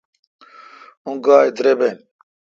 اں گاےدربن۔